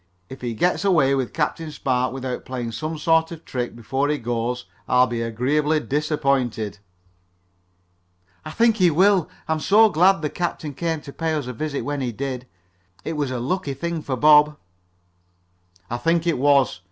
If he gets away with Captain Spark without playing some sort of a trick before he goes I'll be agreeably disappointed." "I think he will. I'm so glad the captain came to pay us a visit when he did. It was a lucky thing for Bob." "I think it was.